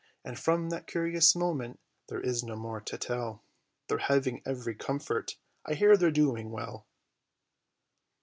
And from that curious moment, there is no more to tell, They're having every comfort, I hear they're doing well.